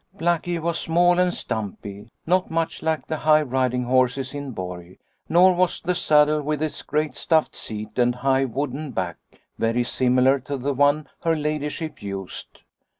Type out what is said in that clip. Blackie was small and stumpy, not much like the high riding horses in Borg, nor was the saddle with its great stuffed seat and high wooden back very similar to the one her ladyship used.